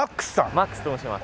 マックスと申します。